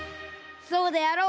そうであろう。